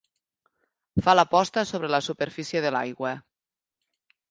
Fa la posta sobre la superfície de l'aigua.